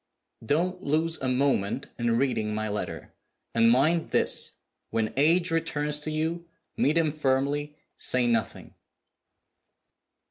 "Don't lose a moment in reading my letter. And mind this, when H. returns to you meet him firmly: say nothing."